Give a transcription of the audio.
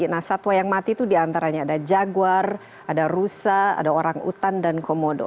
nah satwa yang mati itu diantaranya ada jaguar ada rusa ada orang utan dan komodo